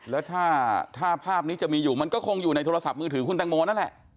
แล้วถ้าภาพนี้จะมีอยู่มันก็คงอยู่ในโทรศัพท์มือถือคุณตังโมนั่นแหละ